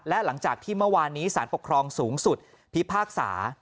และหลังจากที่เมื่อวานนี้สารปกครองสูงสุดพิพากษา